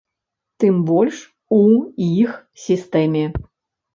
Тым больш у іх сістэме.